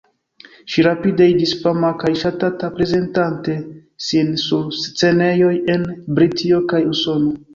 Ŝi rapide iĝis fama kaj ŝatata, prezentante sin sur scenejoj en Britio kaj Usono.